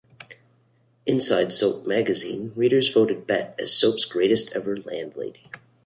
Inside Soap magazine readers voted Bet as soaps 'Greatest ever Landlady.